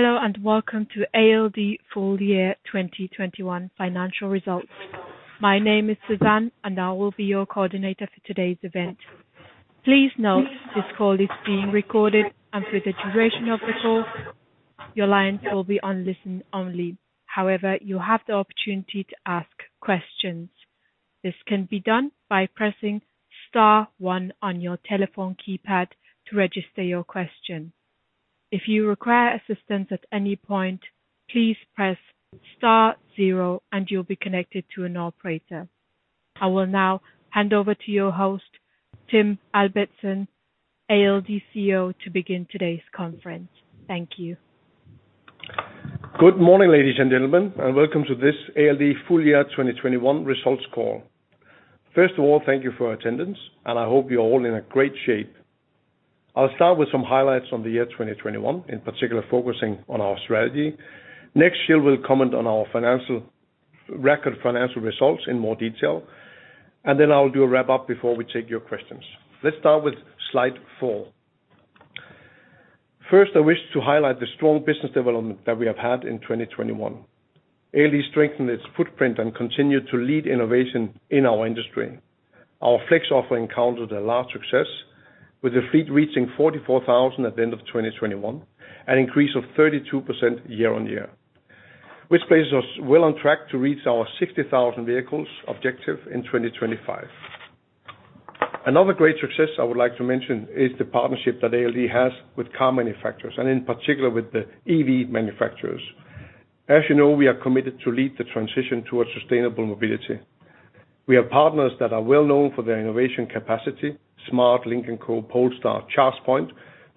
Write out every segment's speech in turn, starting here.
Hello, and welcome to ALD full year 2021 financial results. My name is Suzanne, and I will be your coordinator for today's event. Please note this call is being recorded, and for the duration of the call, your lines will be on listen-only. However, you have the opportunity to ask questions. This can be done by pressing star one on your telephone keypad to register your question. If you require assistance at any point, please press star zero and you'll be connected to an operator. I will now hand over to your host, Tim Albertsen, ALD CEO, to begin today's conference. Thank you. Good morning, ladies and gentlemen, and welcome to this ALD full year 2021 results call. First of all, thank you for attendance, and I hope you're all in a great shape. I'll start with some highlights on the year 2021, in particular focusing on our strategy. Next, Gilles will comment on our record financial results in more detail, and then I'll do a wrap-up before we take your questions. Let's start with slide four. First, I wish to highlight the strong business development that we have had in 2021. ALD strengthened its footprint and continued to lead innovation in our industry. Our flex offering encountered a large success, with the fleet reaching 44,000 at the end of 2021, an increase of 32% year-on-year, which places us well on track to reach our 60,000 vehicles objective in 2025. Another great success I would like to mention is the partnership that ALD has with car manufacturers, and in particular with the EV manufacturers. As you know, we are committed to lead the transition towards sustainable mobility. We have partners that are well known for their innovation capacity, smart, Lynk & Co, Polestar, ChargePoint,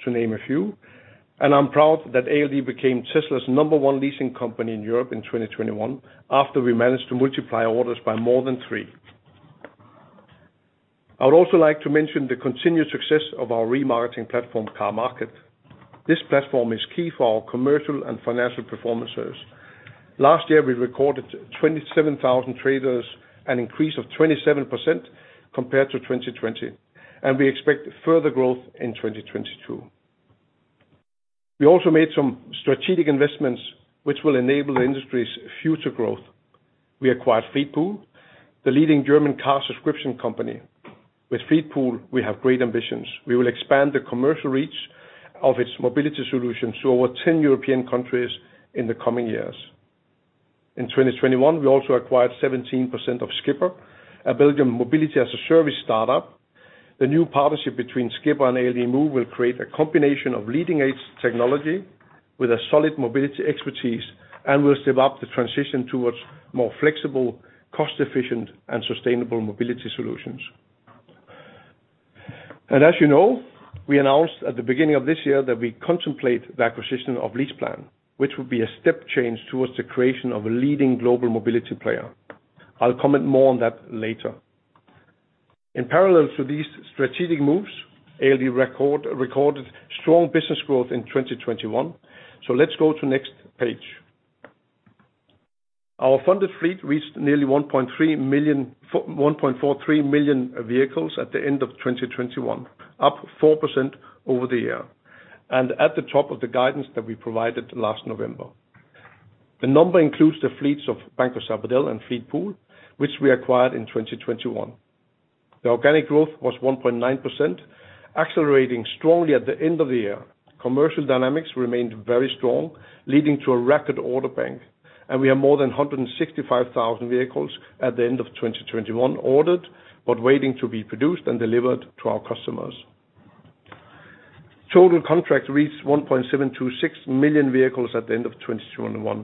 to name a few. I'm proud that ALD became Tesla's number one leasing company in Europe in 2021 after we managed to multiply orders by more than three. I would also like to mention the continued success of our remarketing platform, Carmarket. This platform is key for our commercial and financial performances. Last year, we recorded 27,000 traders, an increase of 27% compared to 2020, and we expect further growth in 2022. We also made some strategic investments which will enable the industry's future growth. We acquired Fleetpool, the leading German car subscription company. With Fleetpool, we have great ambitions. We will expand the commercial reach of its mobility solutions to over 10 European countries in the coming years. In 2021, we also acquired 17% of Skipr, a Belgian mobility-as-a-service startup. The new partnership between Skipr and ALD Move will create a combination of leading-edge technology with a solid mobility expertise and will step up the transition towards more flexible, cost-efficient, and sustainable mobility solutions. As you know, we announced at the beginning of this year that we contemplate the acquisition of LeasePlan, which would be a step change towards the creation of a leading global mobility player. I'll comment more on that later. In parallel to these strategic moves, ALD recorded strong business growth in 2021. Let's go to next page. Our funded fleet reached nearly 1.43 million vehicles at the end of 2021, up 4% over the year, and at the top of the guidance that we provided last November. The number includes the fleets of Banco Sabadell and Fleetpool, which we acquired in 2021. The organic growth was 1.9%, accelerating strongly at the end of the year. Commercial dynamics remained very strong, leading to a record order bank, and we have more than 165,000 vehicles at the end of 2021 ordered but waiting to be produced and delivered to our customers. Total contract reached 1.726 million vehicles at the end of 2021.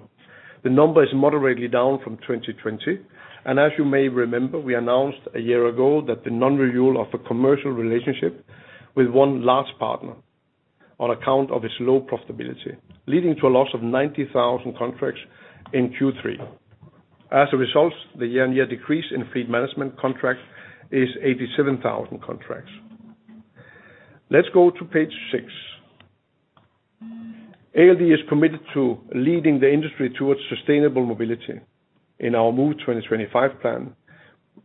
The number is moderately down from 2020, and as you may remember, we announced a year ago that the non-renewal of a commercial relationship with one large partner on account of its low profitability, leading to a loss of 90,000 contracts in Q3. As a result, the year-on-year decrease in fleet management contracts is 87,000 contracts. Let's go to page six. ALD is committed to leading the industry towards sustainable mobility. In our Move 2025 plan,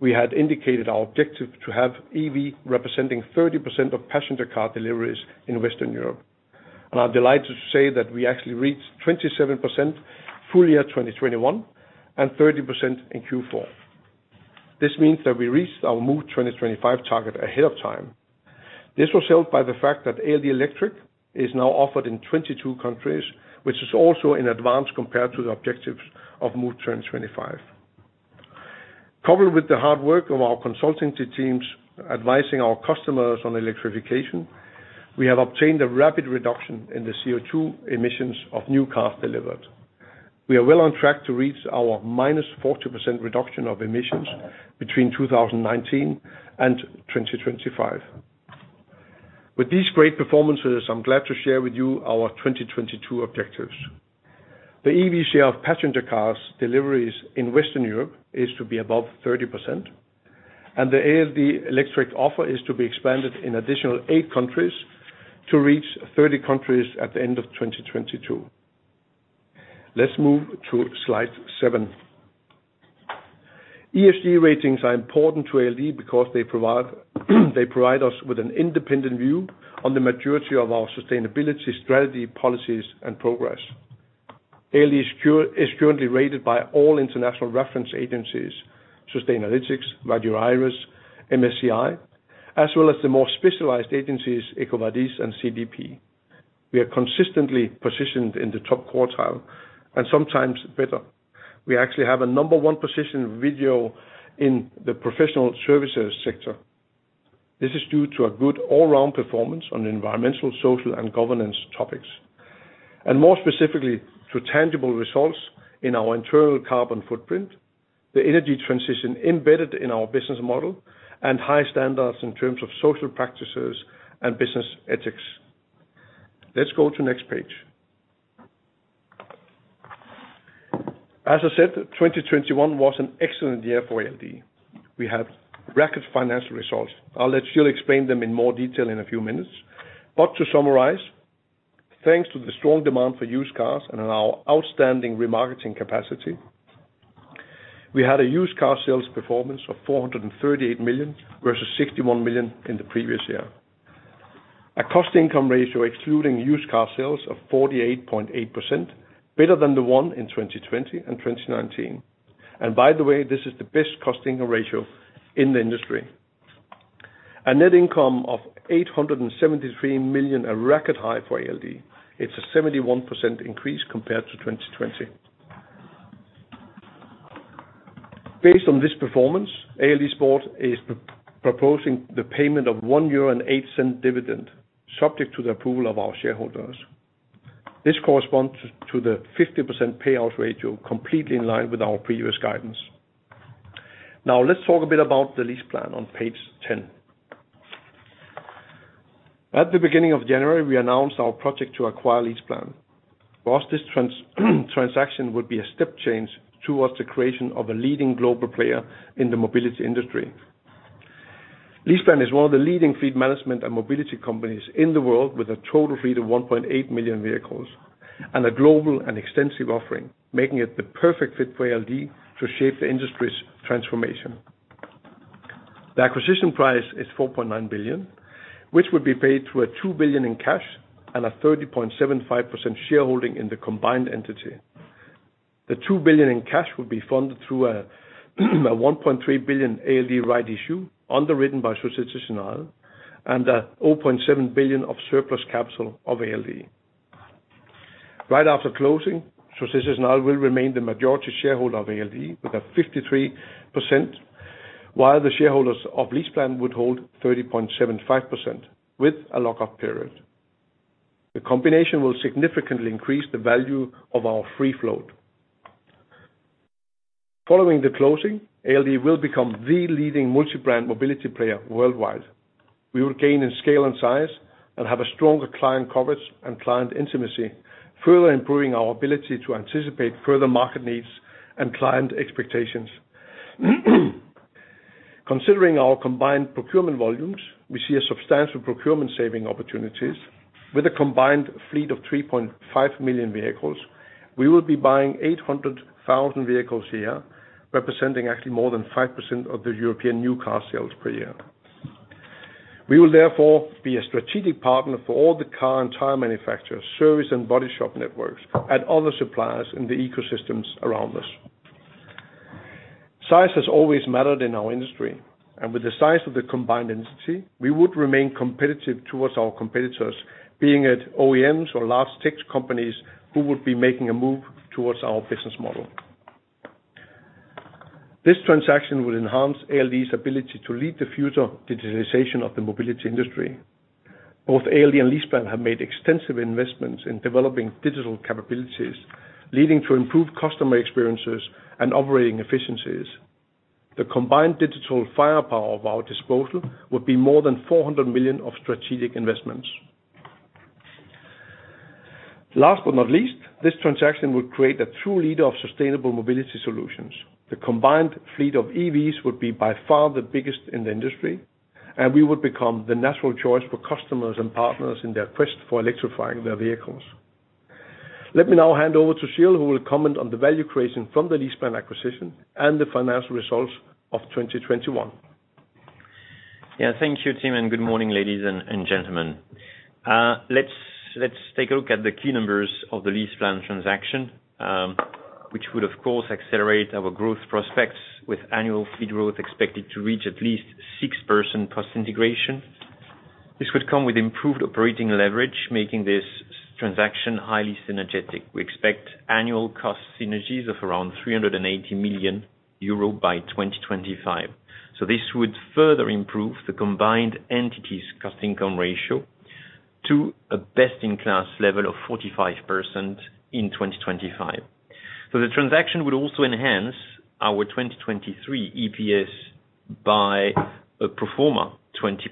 we had indicated our objective to have EV representing 30% of passenger car deliveries in Western Europe, and I'm delighted to say that we actually reached 27% full year 2021 and 30% in Q4. This means that we reached our Move 2025 target ahead of time. This was helped by the fact that ALD Electric is now offered in 22 countries, which is also in advance compared to the objectives of Move 2025. Coupled with the hard work of our consultancy teams advising our customers on electrification, we have obtained a rapid reduction in the CO2 emissions of new cars delivered. We are well on track to reach our -40% reduction of emissions between 2019 and 2025. With these great performances, I'm glad to share with you our 2022 objectives. The EV share of passenger cars deliveries in Western Europe is to be above 30%, and the ALD Electric offer is to be expanded in additional 8 countries to reach 30 countries at the end of 2022. Let's move to slide seven. ESG ratings are important to ALD because they provide us with an independent view on the maturity of our sustainability strategy, policies, and progress. ALD is currently rated by all international reference agencies, Sustainalytics, Vigeo Eiris, MSCI, as well as the more specialized agencies, EcoVadis and CDP. We are consistently positioned in the top quartile and sometimes better. We actually have a number one position with Vigeo in the professional services sector. This is due to a good all-round performance on environmental, social, and governance topics, and more specifically, to tangible results in our internal carbon footprint, the energy transition embedded in our business model, and high standards in terms of social practices and business ethics. Let's go to next page. As I said, 2021 was an excellent year for ALD. We have record financial results. I'll let Gilles explain them in more detail in a few minutes. To summarize, thanks to the strong demand for used cars and our outstanding remarketing capacity, we had a used car sales performance of 438 million, versus 61 million in the previous year. A cost income ratio excluding used car sales of 48.8%, better than the one in 2020 and 2019. By the way, this is the best cost income ratio in the industry. A net income of 873 million, a record high for ALD. It's a 71% increase compared to 2020. Based on this performance, ALD's board is proposing the payment of 1.08 euro dividend, subject to the approval of our shareholders. This corresponds to the 50% payout ratio, completely in line with our previous guidance. Now, let's talk a bit about the LeasePlan on page 10. At the beginning of January, we announced our project to acquire LeasePlan. For us, this transaction would be a step change towards the creation of a leading global player in the mobility industry. LeasePlan is one of the leading fleet management and mobility companies in the world with a total fleet of 1.8 million vehicles and a global and extensive offering, making it the perfect fit for ALD to shape the industry's transformation. The acquisition price is 4.9 billion, which would be paid through 2 billion in cash and a 30.75% shareholding in the combined entity. The 2 billion in cash would be funded through a 1.3 billion ALD rights issue, underwritten by Société Générale, and 0.7 billion of surplus capital of ALD. Right after closing, Société Générale will remain the majority shareholder of ALD with a 53%, while the shareholders of LeasePlan would hold 30.75% with a lockup period. The combination will significantly increase the value of our free float. Following the closing, ALD will become the leading multi-brand mobility player worldwide. We will gain in scale and size and have a stronger client coverage and client intimacy, further improving our ability to anticipate further market needs and client expectations. Considering our combined procurement volumes, we see a substantial procurement savings opportunities. With a combined fleet of 3.5 million vehicles, we will be buying 800,000 vehicles a year, representing actually more than 5% of the European new car sales per year. We will therefore be a strategic partner for all the car and tire manufacturers, service and body shop networks, and other suppliers in the ecosystems around us. Size has always mattered in our industry, and with the size of the combined entity, we would remain competitive towards our competitors, being it OEMs or large tech companies who would be making a move towards our business model. This transaction will enhance ALD's ability to lead the future digitalization of the mobility industry. Both ALD and LeasePlan have made extensive investments in developing digital capabilities, leading to improved customer experiences and operating efficiencies. The combined digital firepower at our disposal would be more than 400 million of strategic investments. Last but not least, this transaction will create a true leader of sustainable mobility solutions. The combined fleet of EVs would be by far the biggest in the industry, and we would become the natural choice for customers and partners in their quest for electrifying their vehicles. Let me now hand over to Gilles, who will comment on the value creation from the LeasePlan acquisition and the financial results of 2021. Yeah. Thank you, Tim, and good morning, ladies and gentlemen. Let's take a look at the key numbers of the LeasePlan transaction, which would, of course, accelerate our growth prospects with annual fleet growth expected to reach at least 6%. Cost integration. This would come with improved operating leverage, making this transaction highly synergetic. We expect annual cost synergies of around 380 million euro by 2025. This would further improve the combined entities' cost income ratio to a best-in-class level of 45% in 2025. The transaction would also enhance our 2023 EPS by a pro forma 20%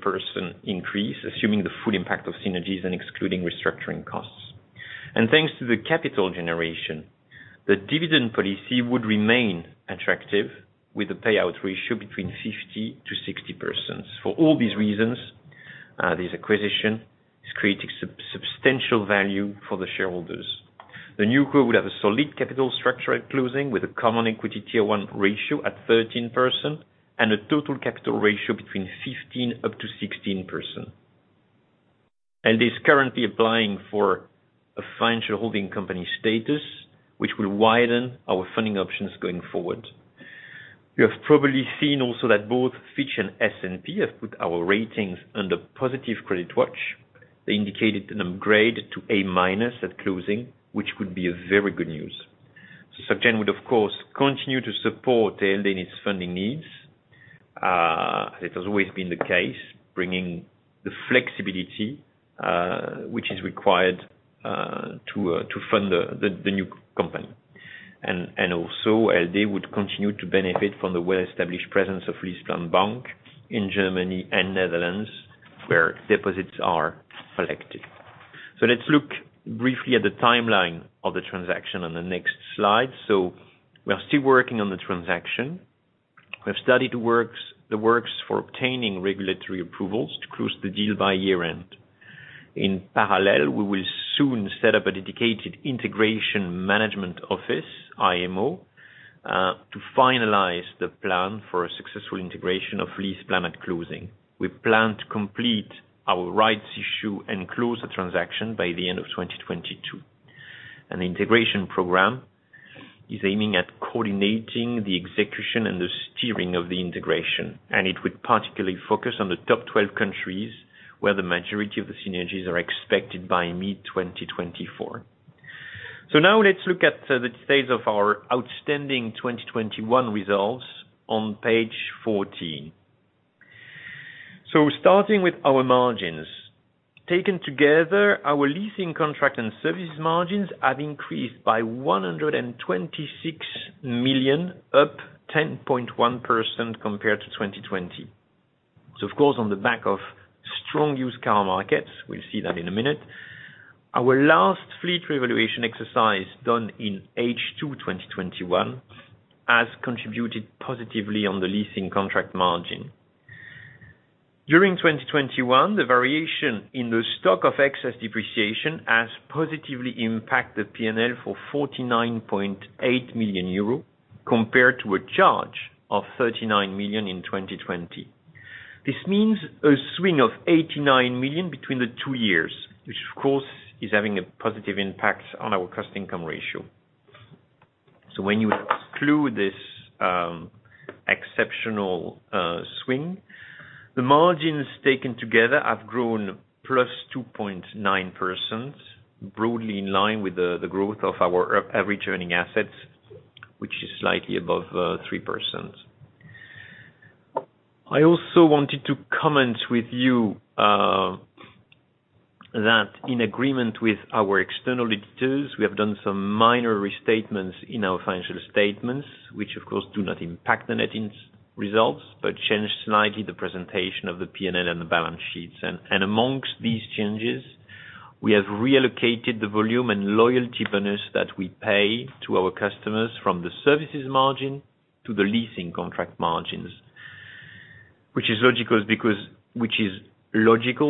increase, assuming the full impact of synergies and excluding restructuring costs. Thanks to the capital generation, the dividend policy would remain attractive with a payout ratio between 50%-60%. For all these reasons. This acquisition is creating substantial value for the shareholders. The NewCo would have a solid capital structure at closing with a common equity tier one ratio at 13% and a total capital ratio between 15%-16%. It is currently applying for a financial holding company status, which will widen our funding options going forward. You have probably seen also that both Fitch and S&P have put our ratings under positive credit watch. They indicated an upgrade to A- at closing, which would be very good news. SocGen would of course continue to support ALD in its funding needs. It has always been the case, bringing the flexibility which is required to fund the new company. Also, ALD would continue to benefit from the well-established presence of LeasePlan Bank in Germany and Netherlands, where deposits are collected. Let's look briefly at the timeline of the transaction on the next slide. We are still working on the transaction. We have started the works for obtaining regulatory approvals to close the deal by year-end. In parallel, we will soon set up a dedicated integration management office, IMO, to finalize the plan for a successful integration of LeasePlan at closing. We plan to complete our rights issue and close the transaction by the end of 2022. An integration program is aiming at coordinating the execution and the steering of the integration, and it would particularly focus on the top 12 countries, where the majority of the synergies are expected by mid-2024. Now let's look at the state of our outstanding 2021 results on page 14. Starting with our margins. Taken together, our leasing contract and services margins have increased by 126 million, up 10.1% compared to 2020. Of course, on the back of strong used car markets, we'll see that in a minute. Our last fleet revaluation exercise done in H2 2021 has contributed positively on the leasing contract margin. During 2021, the variation in the stock of excess depreciation has positively impacted P&L for 49.8 million euro, compared to a charge of 39 million in 2020. This means a swing of 89 million between the two years, which of course is having a positive impact on our cost income ratio. When you exclude this exceptional swing, the margins taken together have grown +2.9%, broadly in line with the growth of our average earning assets, which is slightly above 3%. I also wanted to comment with you that in agreement with our external auditors, we have done some minor restatements in our financial statements, which of course do not impact the net income results, but change slightly the presentation of the P&L and the balance sheets. Among these changes, we have reallocated the volume and loyalty bonus that we pay to our customers from the services margin to the leasing contract margins. Which is logical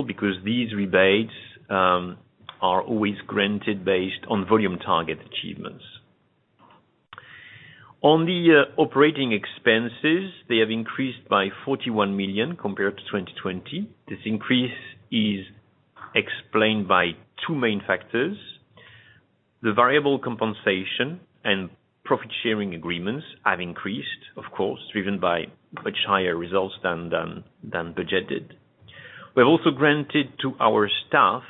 because these rebates are always granted based on volume target achievements. On the operating expenses, they have increased by 41 million compared to 2020. This increase is explained by two main factors. The variable compensation and profit sharing agreements have increased, of course, driven by much higher results than budgeted. We have also granted to our staff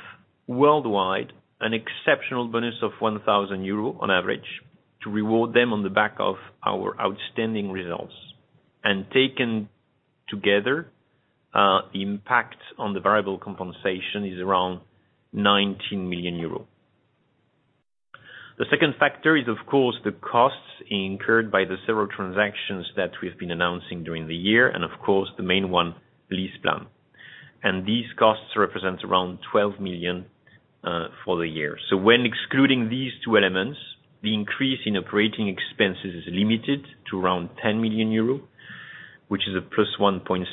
worldwide an exceptional bonus of 1,000 euros on average, to reward them on the back of our outstanding results. Taken together, the impact on the variable compensation is around 19 million euros. The second factor is, of course, the costs incurred by the several transactions that we've been announcing during the year, and of course, the main one, LeasePlan. These costs represent around 12 million for the year. When excluding these two elements, the increase in operating expenses is limited to around 10 million euros, which is a plus 1.6%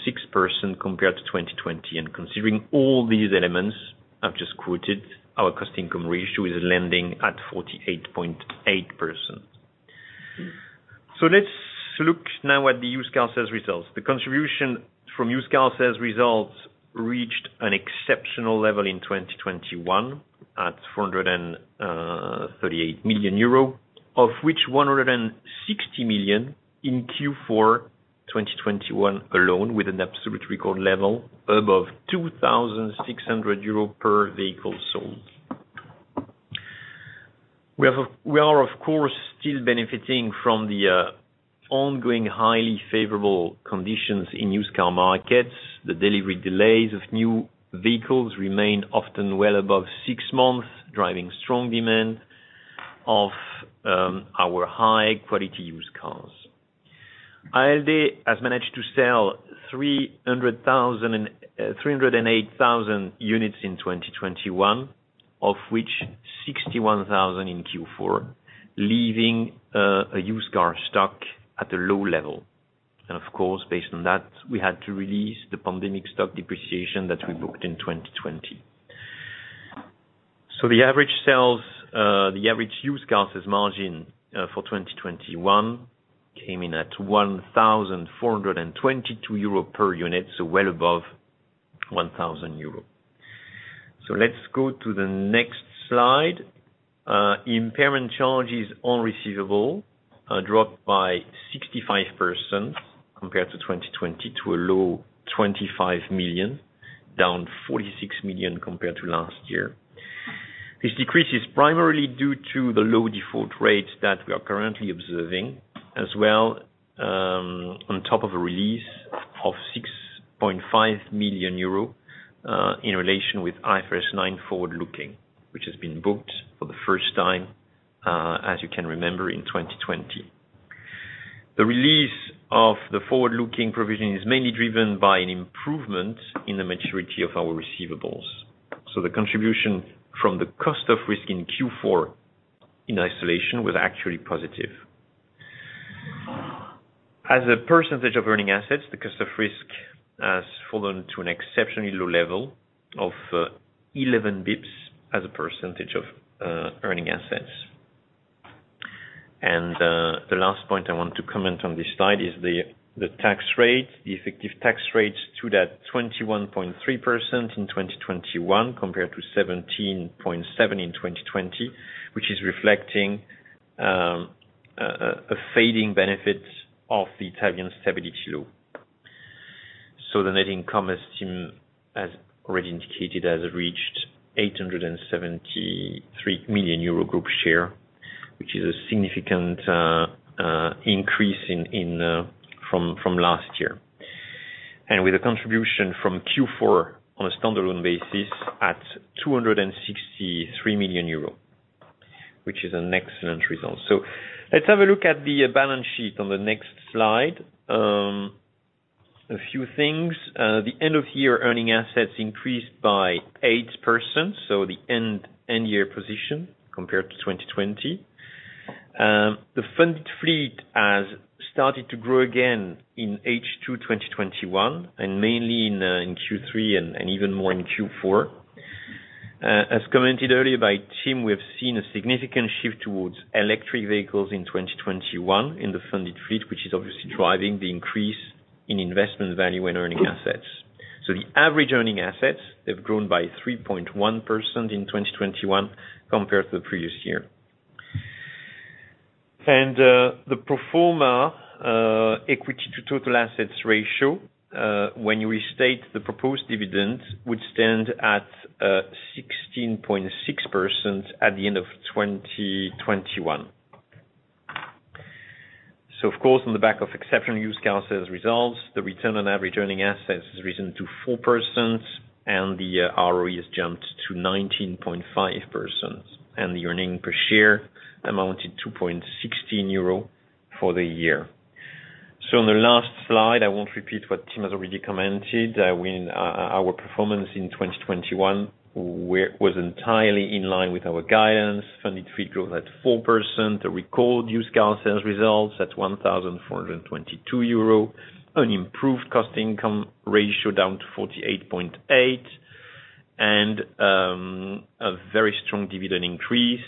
compared to 2020. Considering all these elements I've just quoted, our cost income ratio is landing at 48.8%. Let's look now at the used car sales results. The contribution from used car sales results reached an exceptional level in 2021 at 438 million euro, of which 160 million in Q4 2021 alone, with an absolute record level above 2,600 euros per vehicle sold. We are of course still benefiting from the ongoing highly favorable conditions in used car markets. The delivery delays of new vehicles remain often well above 6 months, driving strong demand for our high-quality used cars. ALD has managed to sell 308,000 units in 2021. Of which 61,000 in Q4, leaving a used car stock at a low level. Of course, based on that, we had to release the pandemic stock depreciation that we booked in 2020. The average sales, the average used cars' margin for 2021 came in at 1,422 euro per unit, so well above 1,000 euro. Let's go to the next slide. Impairment charges on receivables dropped by 65% compared to 2020 to a low 25 million, down 46 million compared to last year. This decrease is primarily due to the low default rates that we are currently observing, as well, on top of a release of 6.5 million euro in relation with IFRS 9 forward-looking, which has been booked for the first time, as you can remember, in 2020. The release of the forward-looking provision is mainly driven by an improvement in the maturity of our receivables. The contribution from the cost of risk in Q4 in isolation was actually positive. As a percentage of earning assets, the cost of risk has fallen to an exceptionally low level of 11 basis points as a percentage of earning assets. The last point I want to comment on this slide is the tax rate. The effective tax rates stood at 21.3% in 2021 compared to 17.7% in 2020, which is reflecting a fading benefit of the Italian stability law. The net income, as already indicated, has reached 873 million euro group share, which is a significant increase from last year. With a contribution from Q4 on a standalone basis at 263 million euros, which is an excellent result. Let's have a look at the balance sheet on the next slide. A few things. The end of year earning assets increased by 8%, so the end year position compared to 2020. The funded fleet has started to grow again in H2 2021 and mainly in Q3 and even more in Q4. As commented earlier by Tim, we have seen a significant shift towards electric vehicles in 2021 in the funded fleet, which is obviously driving the increase in investment value in earning assets. The average earning assets have grown by 3.1% in 2021 compared to the previous year. The pro forma equity to total assets ratio, when you restate the proposed dividend, would stand at 16.6% at the end of 2021. Of course, on the back of exceptional used car sales results, the return on average earning assets has risen to 4% and the ROE has jumped to 19.5%, and the earnings per share amounted to 0.16 EUR for the year. On the last slide, I won't repeat what Tim has already commented. Our performance in 2021 was entirely in line with our guidance. Funded fleet growth at 4%. A record used car sales results at 1,422 euro. An improved cost income ratio down to 48.8%. A very strong dividend increase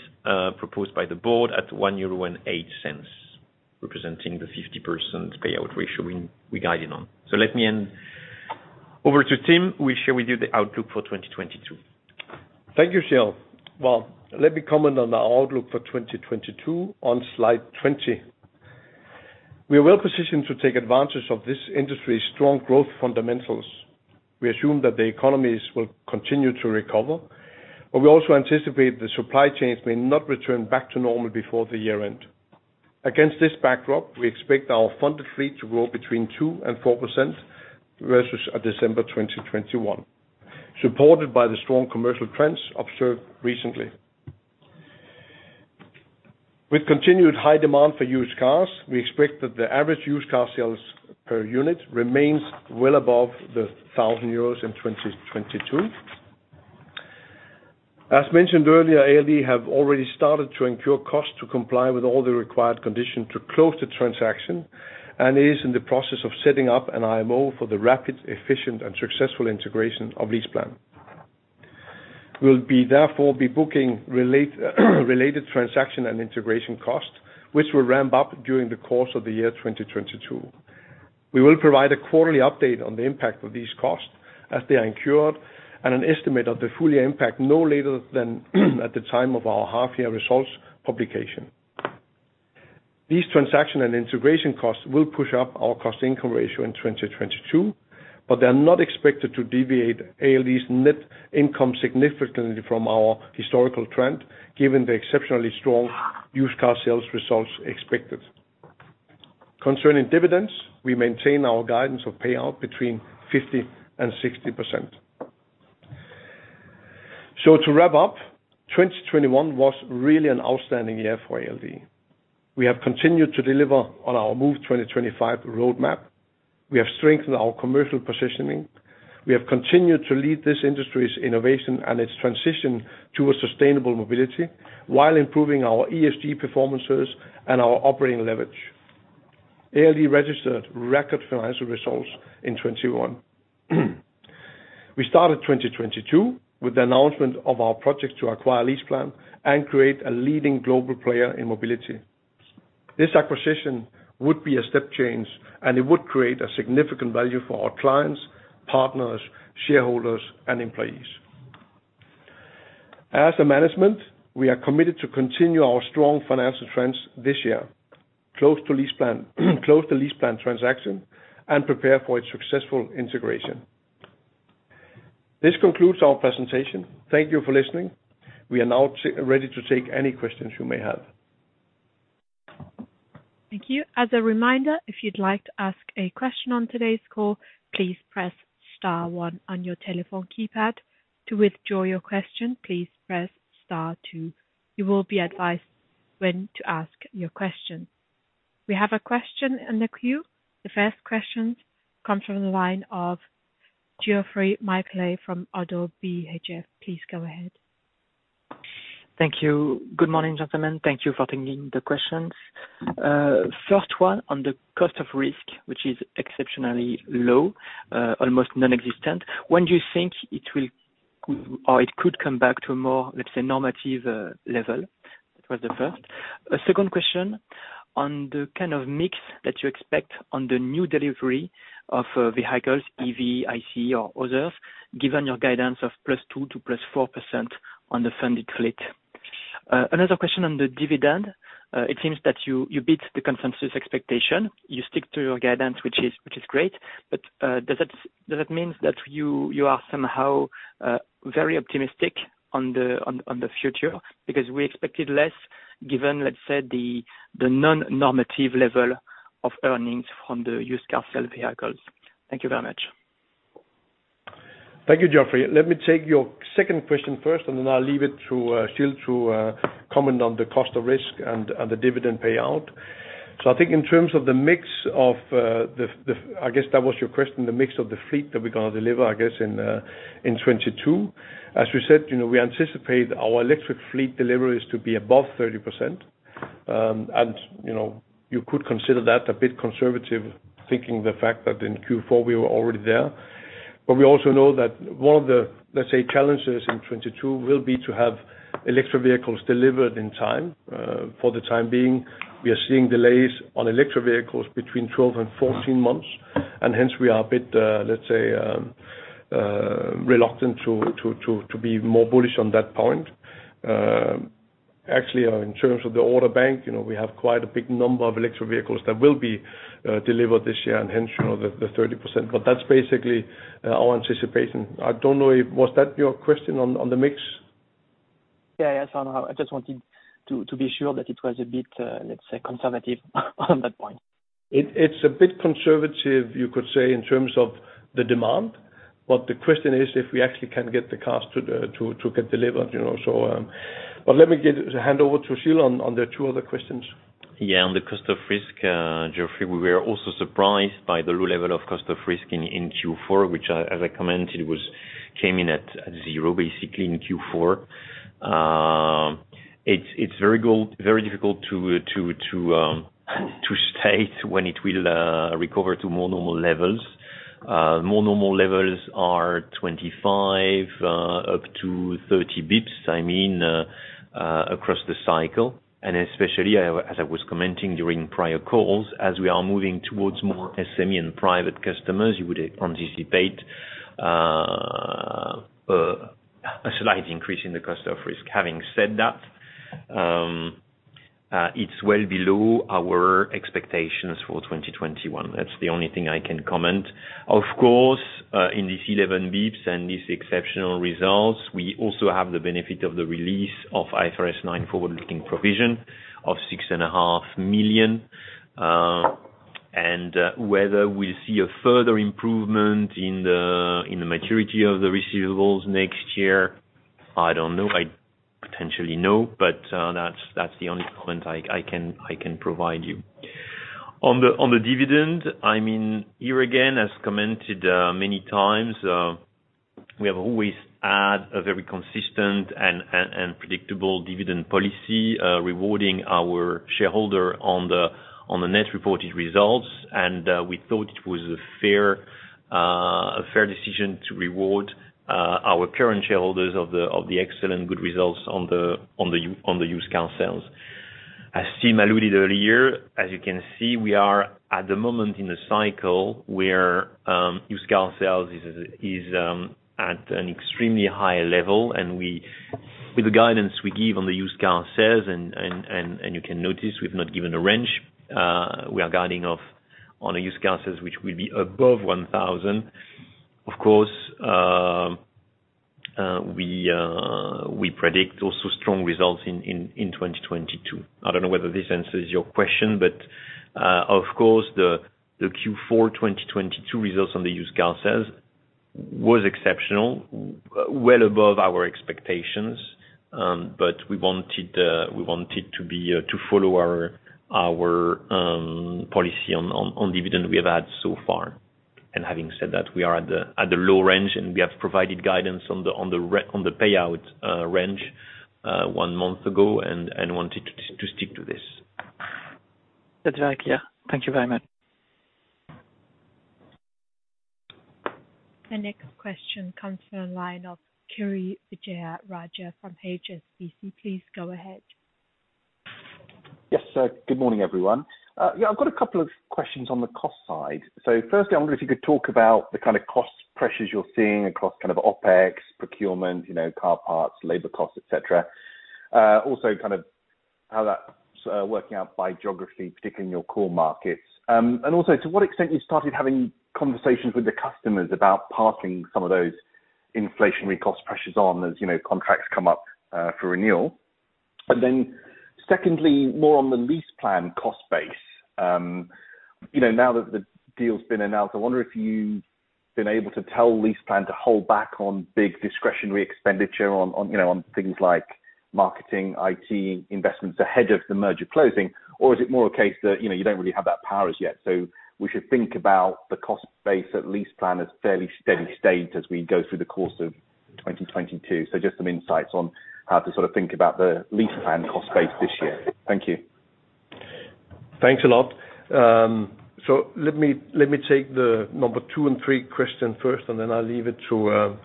proposed by the board at 1.08 euro, representing the 50% payout ratio we guided on. Let me hand over to Tim, who will share with you the outlook for 2022. Thank you, Gilles. Well, let me comment on our outlook for 2022 on slide 20. We are well positioned to take advantage of this industry's strong growth fundamentals. We assume that the economies will continue to recover, but we also anticipate the supply chains may not return back to normal before the year end. Against this backdrop, we expect our funded fleet to grow between 2% and 4% versus December 2021, supported by the strong commercial trends observed recently. With continued high demand for used cars, we expect that the average used car sales per unit remains well above 1,000 euros in 2022. As mentioned earlier, ALD have already started to incur costs to comply with all the required conditions to close the transaction, and is in the process of setting up an IMO for the rapid, efficient and successful integration of LeasePlan. We'll therefore be booking related transaction and integration costs, which will ramp up during the course of the year 2022. We will provide a quarterly update on the impact of these costs as they are incurred, and an estimate of the full year impact no later than at the time of our half year results publication. These transaction and integration costs will push up our cost income ratio in 2022, but they are not expected to deviate ALD's net income significantly from our historical trend, given the exceptionally strong used car sales results expected. Concerning dividends, we maintain our guidance of payout between 50%-60%. To wrap up, 2021 was really an outstanding year for ALD. We have continued to deliver on our Move 2025 roadmap. We have strengthened our commercial positioning. We have continued to lead this industry's innovation and its transition to a sustainable mobility while improving our ESG performances and our operating leverage. ALD registered record financial results in 2021. We started 2022 with the announcement of our project to acquire LeasePlan and create a leading global player in mobility. This acquisition would be a step change, and it would create a significant value for our clients, partners, shareholders, and employees. As a management, we are committed to continue our strong financial trends this year, close the LeasePlan transaction, and prepare for its successful integration. This concludes our presentation. Thank you for listening. We are now ready to take any questions you may have. Thank you. As a reminder, if you'd like to ask a question on today's call, please press star one on your telephone keypad. To withdraw your question, please press star two. You will be advised when to ask your question. We have a question in the queue. The first question comes from the line of Geoffroy Michalet from ODDO BHF. Please go ahead. Thank you. Good morning, gentlemen. Thank you for taking the questions. First one on the cost of risk, which is exceptionally low, almost nonexistent. When do you think it will or it could come back to a more, let's say, normative level? That was the first. Second question on the kind of mix that you expect on the new delivery of vehicles, EV, ICE or others, given your guidance of +2% to +4% on the funded fleet. Another question on the dividend. It seems that you beat the consensus expectation. You stick to your guidance, which is great, but does that means that you are somehow very optimistic on the future? Because we expected less given, let's say, the non-normative level of earnings from the used car sales vehicles. Thank you very much. Thank you, Geoffroy. Let me take your second question first, and then I'll leave it to Gilles to comment on the cost of risk and the dividend payout. I think in terms of the mix of, I guess that was your question, the mix of the fleet that we're gonna deliver, I guess, in 2022. As we said, you know, we anticipate our electric fleet deliveries to be above 30%. And, you know, you could consider that a bit conservative, given the fact that in Q4 we were already there. We also know that one of the, let's say, challenges in 2022 will be to have electric vehicles delivered in time. For the time being, we are seeing delays on electric vehicles between 12-14 months, and hence we are a bit, let's say, reluctant to be more bullish on that point. Actually, in terms of the order bank, you know, we have quite a big number of electric vehicles that will be delivered this year and hence, you know, the 30%. But that's basically our anticipation. I don't know if. Was that your question on the mix? Yeah. Yes. I know. I just wanted to be sure that it was a bit, let's say, conservative on that point. It's a bit conservative, you could say, in terms of the demand, but the question is if we actually can get the cars to get delivered, you know. But let me hand over to Gilles on the two other questions. Yeah. On the cost of risk, Geoffroy Michalet, we were also surprised by the low level of cost of risk in Q4, which I, as I commented, came in at zero, basically, in Q4. It's very difficult to state when it will recover to more normal levels. More normal levels are 25-30 basis points, I mean, across the cycle, and especially, as I was commenting during prior calls, as we are moving towards more SME and private customers, you would anticipate a slight increase in the cost of risk. Having said that, it's well below our expectations for 2021. That's the only thing I can comment. Of course, in this 11 basis points and these exceptional results, we also have the benefit of the release of IFRS 9 forward-looking provision of 6.5 million. Whether we'll see a further improvement in the maturity of the receivables next year, I don't know. I potentially know, but that's the only comment I can provide you. On the dividend, I mean, here again, as commented many times, we have always had a very consistent and predictable dividend policy, rewarding our shareholder on the net reported results. We thought it was a fair decision to reward our current shareholders of the excellent good results on the used car sales. As Tim alluded earlier, as you can see, we are at the moment in a cycle where used car sales is at an extremely high level, and we, with the guidance we give on the used car sales and you can notice we've not given a range, we are guiding on the used car sales which will be above 1,000. Of course, we predict also strong results in 2022. I don't know whether this answers your question, but of course, the Q4 2022 results on the used car sales. was exceptional, well above our expectations. But we wanted to follow our policy on dividend we have had so far. Having said that, we are at the low range, and we have provided guidance on the payout range one month ago and wanted to stick to this. That's very clear. Thank you very much. The next question comes from the line of Kiri Vijayarajah from HSBC. Please go ahead. Yes. Good morning, everyone. Yeah, I've got a couple of questions on the cost side. Firstly, I wonder if you could talk about the kind of cost pressures you're seeing across kind of OpEx, procurement, you know, car parts, labor costs, et cetera. Also kind of how that's working out by geography, particularly in your core markets. And also, to what extent you started having conversations with the customers about passing some of those inflationary cost pressures on as, you know, contracts come up for renewal. Secondly, more on the LeasePlan cost base. You know, now that the deal's been announced, I wonder if you've been able to tell LeasePlan to hold back on big discretionary expenditure on, you know, on things like marketing, IT investments ahead of the merger closing. Is it more a case that, you know, you don't really have that power as yet, so we should think about the cost base at LeasePlan as fairly steady state as we go through the course of 2022? Just some insights on how to sort of think about the LeasePlan cost base this year. Thank you. Thanks a lot. Let me take the number two and three question first, and then I'll leave it to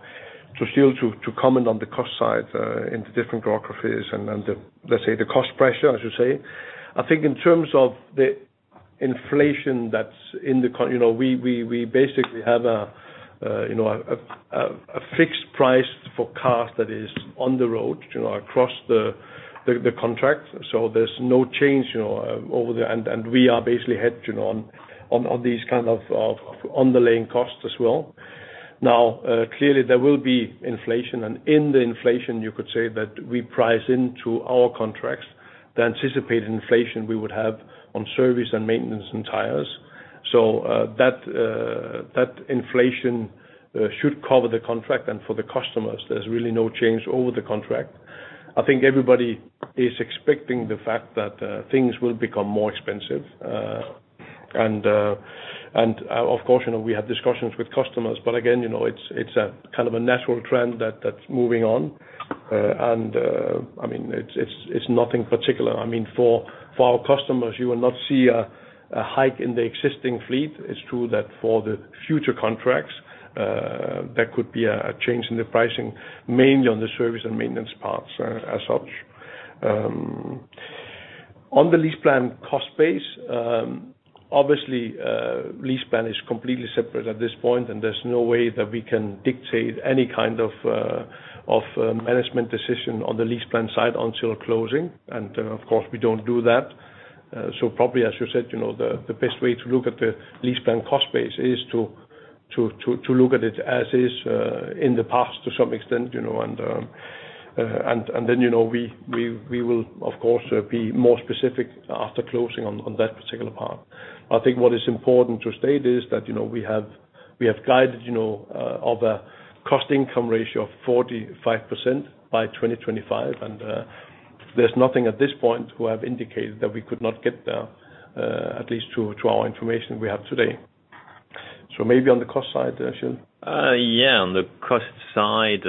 Gilles to comment on the cost side in the different geographies and the cost pressure, I should say. I think in terms of the inflation, you know, we basically have a fixed price for cars that is on the road, you know, across the contract. There's no change, you know, over the contract. We are basically hedged, you know, on these kind of underlying costs as well. Now, clearly there will be inflation, and in the inflation, you could say that we price into our contracts the anticipated inflation we would have on service and maintenance and tires. That inflation should cover the contract, and for the customers, there's really no change over the contract. I think everybody is expecting the fact that things will become more expensive. Of course, you know, we have discussions with customers, but again, you know, it's a kind of a natural trend that's moving on. I mean, it's nothing particular. I mean, for our customers, you will not see a hike in the existing fleet. It's true that for the future contracts, there could be a change in the pricing, mainly on the service and maintenance parts, as such. On the LeasePlan cost base, obviously, LeasePlan is completely separate at this point, and there's no way that we can dictate any kind of management decision on the LeasePlan side until closing. Of course, we don't do that. Probably, as you said, you know, the best way to look at the LeasePlan cost base is to look at it as is in the past to some extent, you know. Then, you know, we will of course be more specific after closing on that particular part. I think what is important to state is that, you know, we have guided to a cost income ratio of 45% by 2025. there's nothing at this point who have indicated that we could not get there, at least to our information we have today. Maybe on the cost side, Gilles. On the cost side,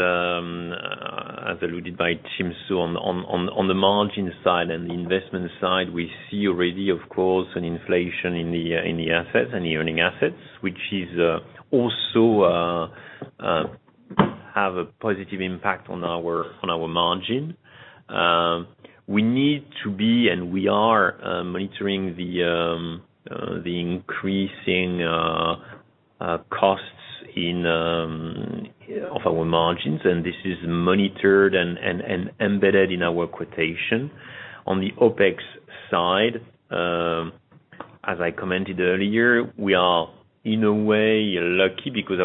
as alluded by Tim, on the margin side and the investment side, we see already, of course, an inflation in the assets, in the earning assets, which also has a positive impact on our margin. We need to be, and we are, monitoring the increasing costs of our margins, and this is monitored and embedded in our quotation. On the OpEx side, as I commented earlier, we are in a way lucky because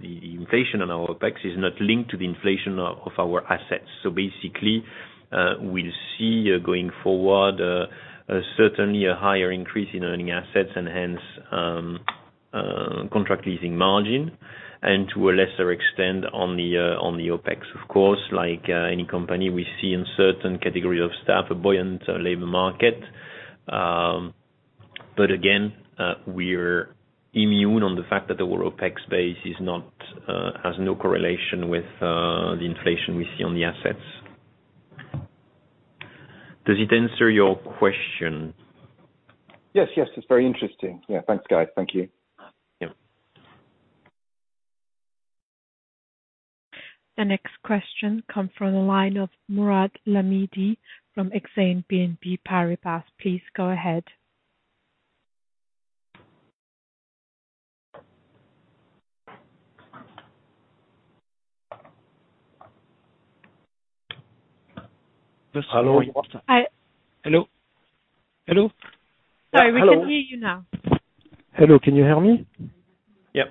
the inflation on our OpEx is not linked to the inflation of our assets. Basically, we'll see going forward certainly a higher increase in earning assets and hence contract leasing margin and to a lesser extent on the OpEx of course, like any company we see in certain categories of staff, a buoyant labor market. Again, we're immune on the fact that the world OpEx base has no correlation with the inflation we see on the assets. Does it answer your question? Yes. Yes. It's very interesting. Yeah. Thanks, guys. Thank you. Yeah. The next question comes from the line of Mourad Lahmidi from BNP Paribas Exane. Please go ahead. Hello? Hi. Hello? Hello? Sorry. Hello. We can hear you now. Hello. Can you hear me? Yep.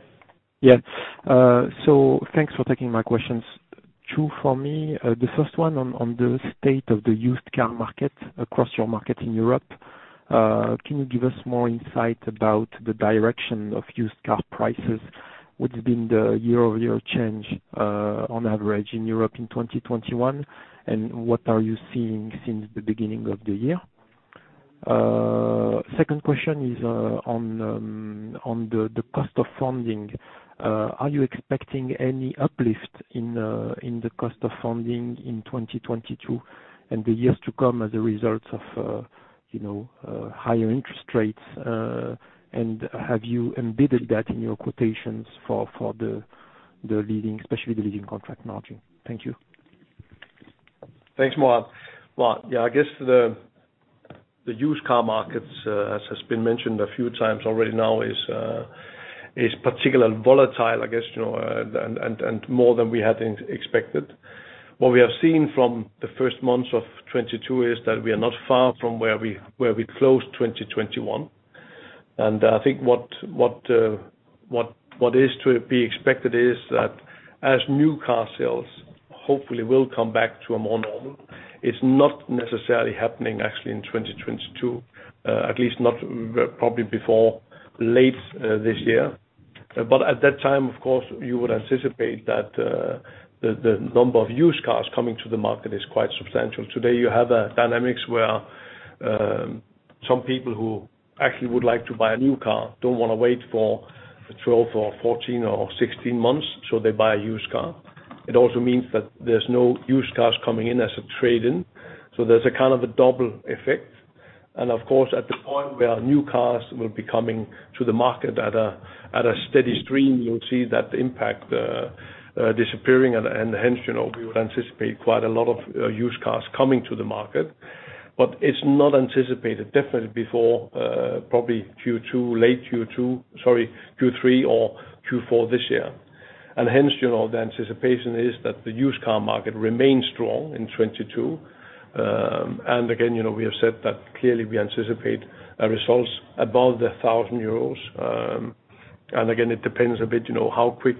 Yeah, thanks for taking my questions. Two for me, the first one on the state of the used car market across your market in Europe. Can you give us more insight about the direction of used car prices? What's been the year-over-year change, on average in Europe in 2021? And what are you seeing since the beginning of the year? Second question is on the cost of funding. Are you expecting any uplift in the cost of funding in 2022, and the years to come as a result of you know higher interest rates? And have you embedded that in your quotations for the leasing, especially the leasing contract margin? Thank you. Thanks, Mourad. Well, yeah, I guess the used car markets is particularly volatile, I guess, you know, and more than we had expected. What we have seen from the first months of 2022 is that we are not far from where we closed 2021. I think what is to be expected is that as new car sales hopefully will come back to a more normal, it's not necessarily happening actually in 2022, at least not probably before late this year. At that time, of course, you would anticipate that the number of used cars coming to the market is quite substantial. Today you have a dynamic where some people who actually would like to buy a new car don't wanna wait for 12 or 14 or 16 months, so they buy a used car. It also means that there's no used cars coming in as a trade-in, so there's a kind of a double effect. Of course, at the point where new cars will be coming to the market at a steady stream, you'll see that impact disappearing. Hence, you know, we would anticipate quite a lot of used cars coming to the market. It's not anticipated definitely before probably Q2, late Q2, sorry, Q3 or Q4 this year. Hence, you know, the anticipation is that the used car market remains strong in 2022. Again, you know, we have said that clearly we anticipate our results above 1,000 euros, and again, it depends a bit, you know, how quick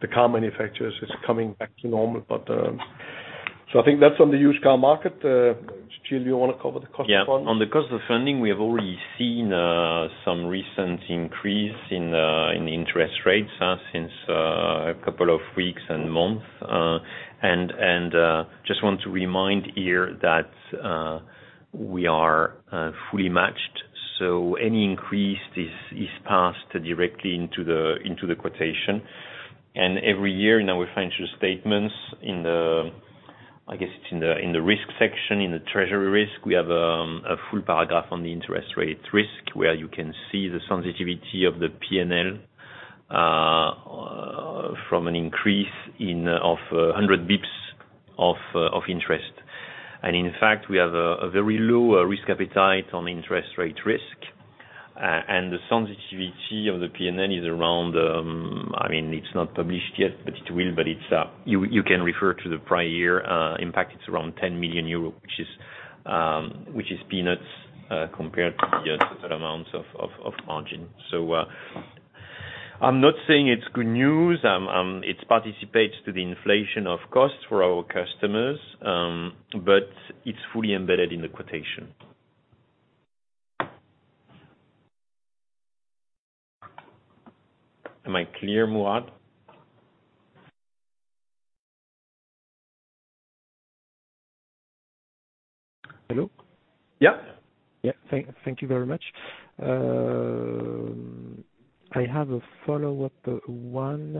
the car manufacturers is coming back to normal. I think that's on the used car market. Gilles, you wanna cover the cost of funding? Yeah. On the cost of funding, we have already seen some recent increase in interest rates since a couple of weeks and months. Just want to remind here that we are fully matched, so any increase is passed directly into the quotation. Every year in our financial statements in the, I guess it's in the risk section, in the treasury risk, we have a full paragraph on the interest rate risk, where you can see the sensitivity of the PNL from an increase of 100 basis points of interest. In fact, we have a very low risk appetite on interest rate risk. The sensitivity of the PNL is around, I mean, it's not published yet, but it will. You can refer to the prior year. In fact, it's around 10 million euros, which is peanuts compared to the total amounts of margin. I'm not saying it's good news. It participates to the inflation of costs for our customers, but it's fully embedded in the quotation. Am I clear, Mourad? Hello? Yeah. Yeah. Thank you very much. I have a follow-up one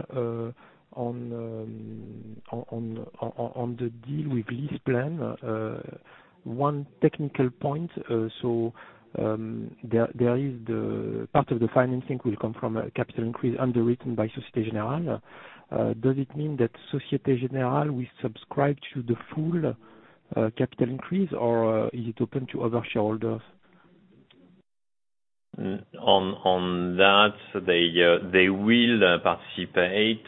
on the deal with LeasePlan. One technical point. There is the part of the financing will come from a capital increase underwritten by Société Générale. Does it mean that Société Générale will subscribe to the full capital increase or is it open to other shareholders? On that, they will participate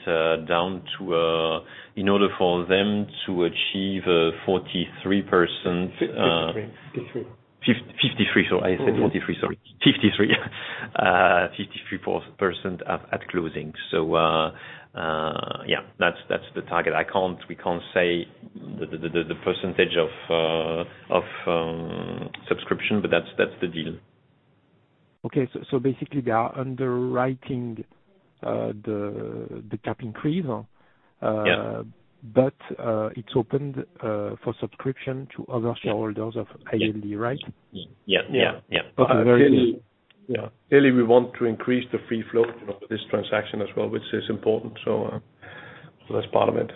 down to in order for them to achieve 43%. 53. 53. I said 43, sorry. 53. 53% at closing. Yeah. That's the target. I can't, we can't say the percentage of subscription, but that's the deal. Okay. Basically they are underwriting the cap increase? Yeah. It's open for subscription to other shareholders. Yeah. of ALD, right? Yeah. Yeah. Yeah. Yeah. Okay. Very clear. Yeah. Clearly we want to increase the free flow, you know, for this transaction as well, which is important. That's part of it.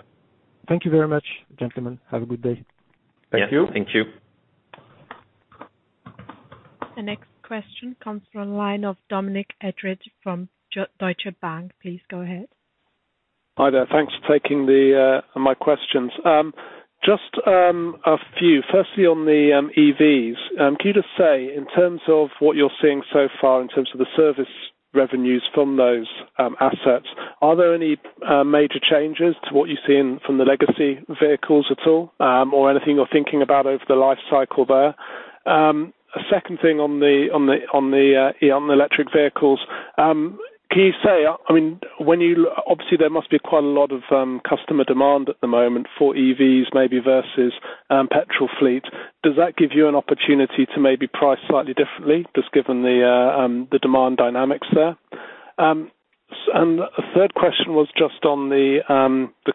Thank you very much, gentlemen. Have a good day. Thank you. Yeah. Thank you. The next question comes from the line of Dominic Edridge from Deutsche Bank. Please go ahead. Hi there. Thanks for taking my questions. Just a few. Firstly, on the EVs, can you just say in terms of what you're seeing so far in terms of the service revenues from those assets, are there any major changes to what you're seeing from the legacy vehicles at all, or anything you're thinking about over the life cycle there? A second thing on the electric vehicles. Can you say, I mean, obviously there must be quite a lot of customer demand at the moment for EVs maybe versus petrol fleet. Does that give you an opportunity to maybe price slightly differently just given the demand dynamics there? And a third question was just on the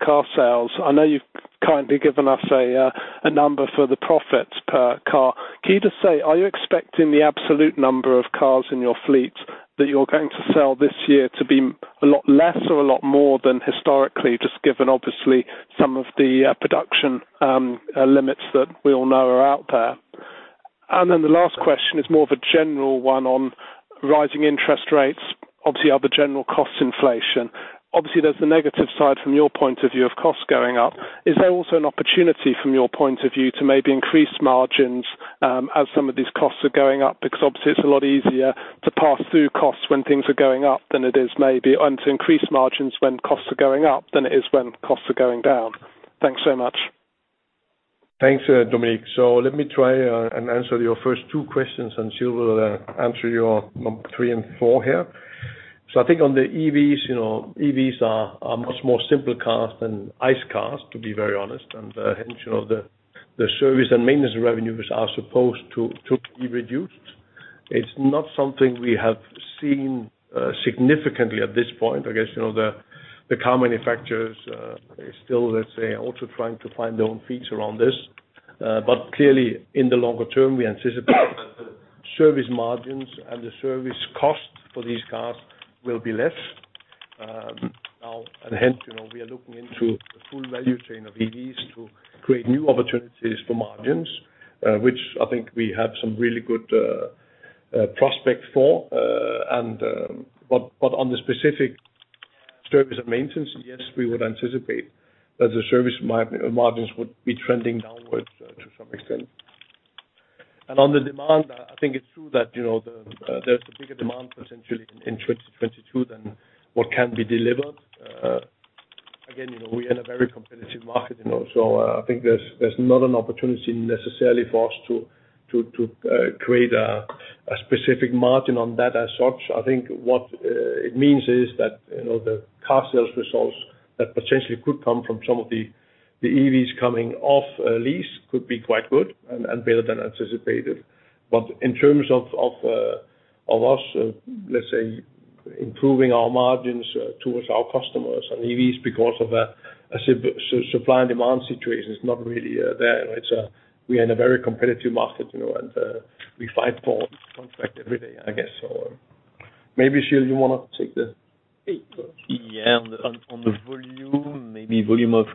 car sales. I know you've kindly given us a number for the profits per car. Can you just say, are you expecting the absolute number of cars in your fleet that you're going to sell this year to be a lot less or a lot more than historically, just given obviously some of the production limits that we all know are out there? The last question is more of a general one on rising interest rates, obviously other general cost inflation. Obviously there's the negative side from your point of view of costs going up. Is there also an opportunity from your point of view to maybe increase margins as some of these costs are going up? Because obviously it's a lot easier to pass through costs when things are going up than it is maybe to increase margins when costs are going up than it is when costs are going down. Thanks so much. Thanks, Dominic. Let me try and answer your first two questions, and Gilles will answer your numbers three and four here. I think on the EVs, you know, EVs are much more simpler cars than ICE cars, to be very honest. Hence, you know, the service and maintenance revenues are supposed to be reduced. It's not something we have seen significantly at this point. I guess, you know, the car manufacturers are still, let's say, also trying to find their own feet around this. Clearly in the longer term, we anticipate that the service margins and the service costs for these cars will be less. Now and hence, you know, we are looking into the full value chain of EVs to create new opportunities for margins, which I think we have some really good prospects for. But on the specific service and maintenance, yes, we would anticipate that the service margins would be trending downwards to some extent. On the demand, I think it's true that, you know, there's a bigger demand potentially in 2022 than what can be delivered. Again, you know, we are in a very competitive market, you know, so I think there's not an opportunity necessarily for us to create a specific margin on that as such. I think what it means is that, you know, the car sales results that potentially could come from some of the EVs coming off a lease could be quite good and better than anticipated. In terms of us, let's say, improving our margins towards our customers and EVs because of a supply and demand situation, it's not really there. We are in a very competitive market, you know, and we fight for contracts every day, I guess so. Maybe, Gilles, you wanna take that? Yeah. On the volume of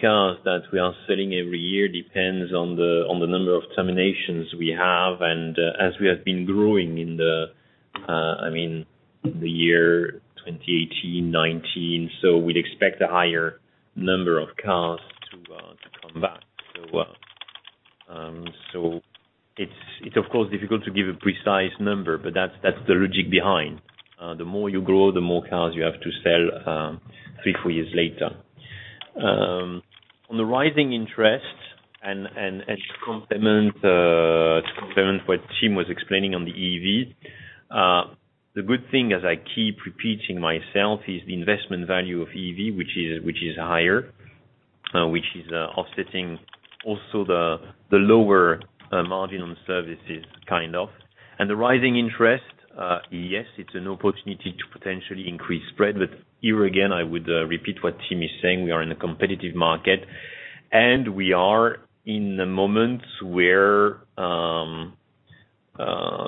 cars that we are selling every year depends on the number of terminations we have. As we have been growing in the, I mean, the year 2018, 2019, we'd expect a higher number of cars to come back. It's of course difficult to give a precise number, but that's the logic behind. The more you grow, the more cars you have to sell 3-4 years later. On the rising interest to complement what Tim was explaining on the EV, the good thing as I keep repeating myself is the investment value of EV which is higher, offsetting also the lower margin on services kind of. The rising interest, yes, it's an opportunity to potentially increase spread, but here again, I would repeat what Tim is saying. We are in a competitive market, and we are in a moment where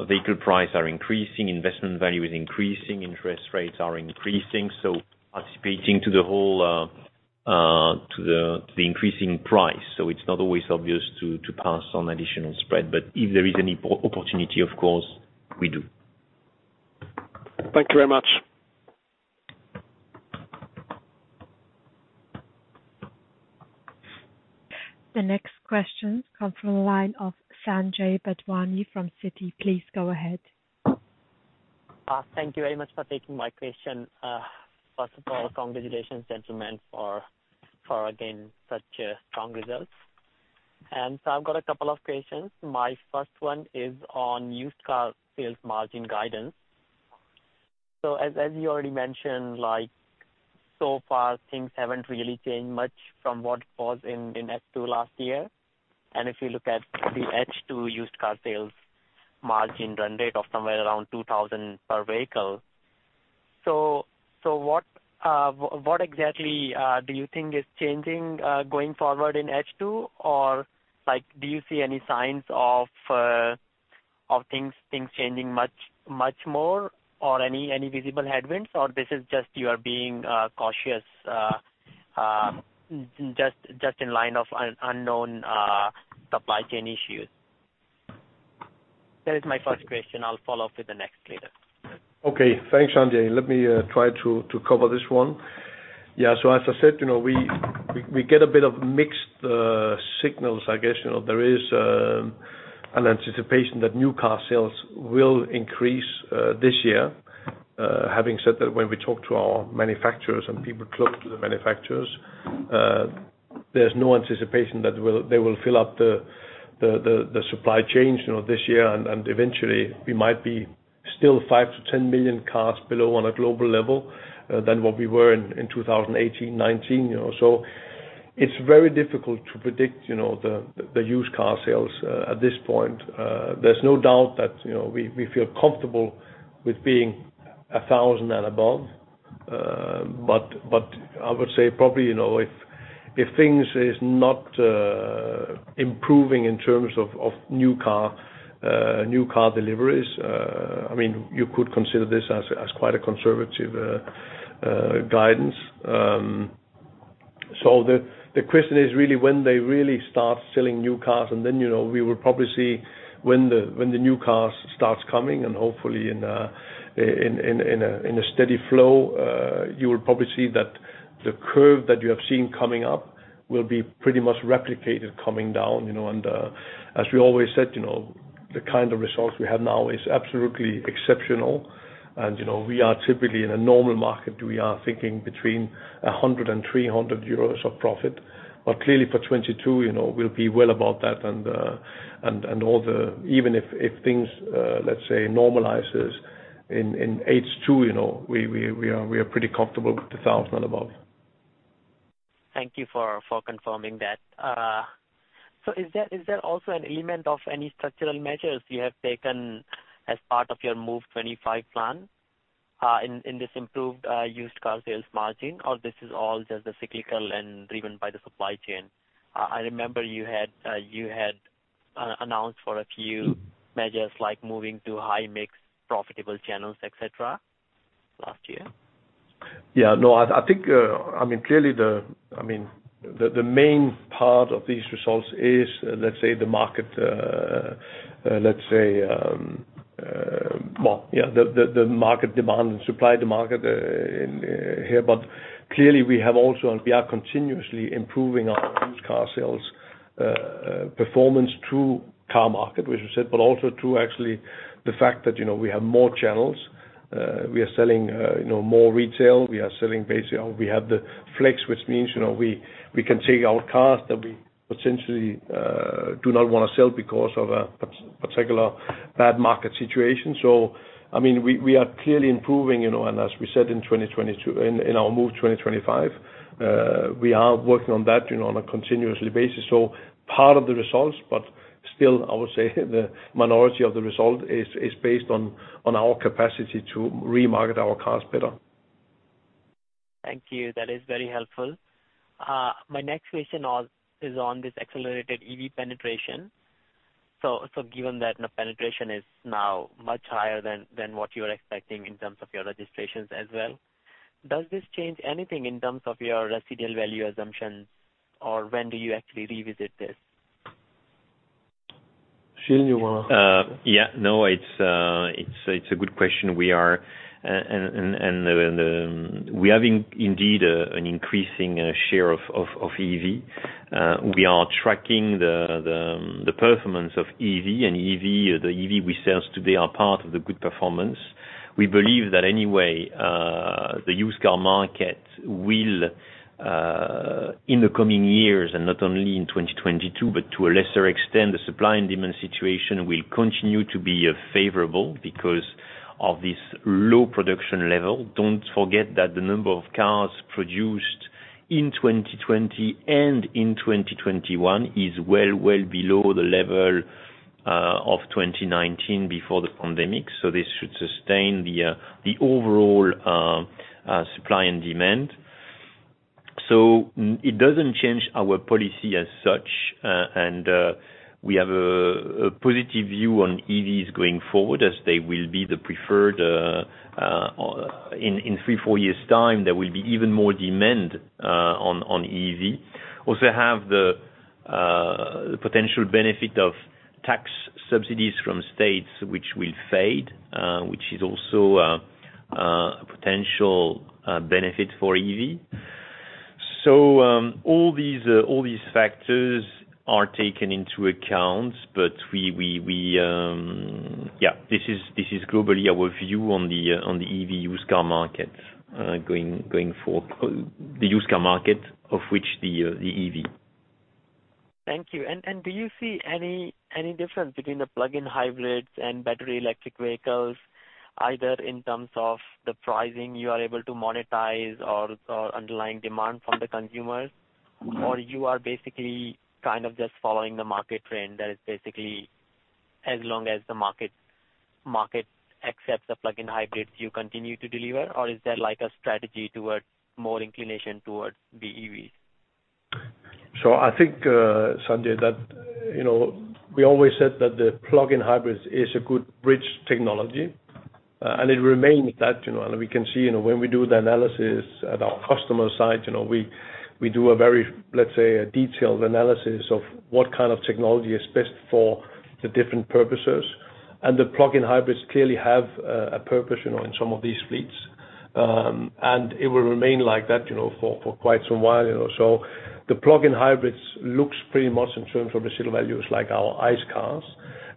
vehicle price are increasing, investment value is increasing, interest rates are increasing, so participating to the whole to the increasing price. It's not always obvious to pass on additional spread, but if there is any opportunity, of course, we do. Thank you very much. The next question comes from the line of Sanjay Bhagwani from Citi. Please go ahead. Thank you very much for taking my question. First of all, congratulations, gentlemen, for again such strong results. I've got a couple of questions. My first one is on used car sales margin guidance. As you already mentioned, like, so far things haven't really changed much from what it was in H2 last year. If you look at the H2 used car sales margin run rate of somewhere around 2000 per vehicle. What exactly do you think is changing going forward in H2? Or like, do you see any signs of things changing much more or any visible headwinds, or this is just you are being cautious just in line of unknown supply chain issues? That is my first question. I'll follow up with the next later. Okay. Thanks, Sanjay. Let me try to cover this one. Yeah. As I said, you know, we get a bit of mixed signals, I guess. You know, there is an anticipation that new car sales will increase this year. Having said that, when we talk to our manufacturers and people close to the manufacturers, there's no anticipation that they will fill up the supply chains, you know, this year, and eventually we might be still 5 million-10 million cars below on a global level than what we were in 2018, 2019, you know? It's very difficult to predict, you know, the used car sales at this point. There's no doubt that, you know, we feel comfortable with being 1,000 and above. I would say probably, you know, if things is not improving in terms of new car deliveries, I mean, you could consider this as quite a conservative guidance. The question is really when they really start selling new cars, you know, we will probably see when the new cars starts coming, and hopefully in a steady flow, you will probably see that the curve that you have seen coming up will be pretty much replicated coming down, you know. As we always said, you know, the kind of results we have now is absolutely exceptional. You know, we are typically in a normal market. We are thinking between 100-300 euros of profit. Clearly for 2022, you know, we'll be well above that and all the. Even if things, let's say, normalizes in H2, you know, we are pretty comfortable with 1,000 above. Thank you for confirming that. So is there also an element of any structural measures you have taken as part of your Move 2025 plan in this improved used car sales margin, or this is all just the cyclical and driven by the supply chain? I remember you had announced a few measures like moving to high-mix profitable channels, et cetera, last year. Yeah, no. I think I mean clearly the main part of these results is, let's say, the market demand and supply to market in here. Clearly we have also and we are continuously improving our used car sales performance through Carmarket, which we said, but also through actually the fact that, you know, we have more channels. We are selling, you know, more retail. We are selling basically, or we have the Flex, which means, you know, we can take our cars that we potentially do not wanna sell because of a particular bad market situation. I mean, we are clearly improving, you know, and as we said in 2022, in our Move 2025, we are working on that, you know, on a continuous basis. Part of the results, but still I would say the minority of the result is based on our capacity to re-market our cars better. Thank you. That is very helpful. My next question is on this accelerated EV penetration. Given that the penetration is now much higher than what you're expecting in terms of your registrations as well, does this change anything in terms of your residual value assumptions, or when do you actually revisit this? Gilles, you wanna? It's a good question. We are indeed an increasing share of EV. We are tracking the performance of EV, and the EV we sell today are part of the good performance. We believe that anyway, the used car market will in the coming years, and not only in 2022, but to a lesser extent, the supply and demand situation will continue to be favorable because of this low production level. Don't forget that the number of cars produced in 2020 and in 2021 is well below the level of 2019 before the pandemic. This should sustain the overall supply and demand. It doesn't change our policy as such. We have a positive view on EVs going forward, as they will be the preferred in 3-4 years' time, there will be even more demand on EV. We also have the potential benefit of tax subsidies from states which will fade, which is also a potential benefit for EV. All these factors are taken into account, but yeah, this is globally our view on the EV used car market going forward. The used car market of which the EV. Thank you. Do you see any difference between the plug-in hybrids and battery electric vehicles, either in terms of the pricing you are able to monetize or underlying demand from the consumers? Mm-hmm. you are basically kind of just following the market trend that is basically as long as the market accepts the plug-in hybrids, you continue to deliver? Or is there like a strategy towards more inclination towards the EVs? I think, Sanjay, that, you know, we always said that the plug-in hybrids is a good bridge technology, and it remains that, you know. We can see, you know, when we do the analysis at our customer site, you know, we do a very, let's say, a detailed analysis of what kind of technology is best for the different purposes. The plug-in hybrids clearly have a purpose, you know, in some of these fleets. It will remain like that, you know, for quite some while, you know. The plug-in hybrids looks pretty much in terms of residual values like our ICE cars.